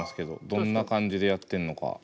どんな感じでやってんのか。